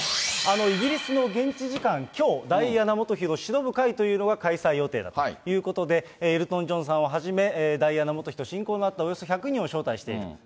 イギリスの現地時間きょうダイアナ元妃をしのぶ会というのが開催予定だということで、エルトン・ジョンさんをはじめ、ダイアナ元妃と親交のあったおよそ１００人を招待している。